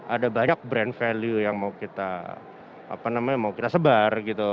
ada banyak brand value yang mau kita apa namanya mau kita sebar gitu